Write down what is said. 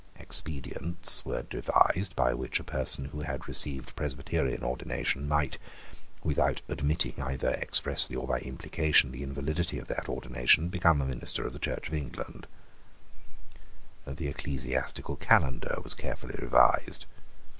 Expedients were devised by which a person who had received Presbyterian ordination might, without admitting, either expressly or by implication, the invalidity of that ordination, become a minister of the Church of England, The ecclesiastical calendar was carefully revised.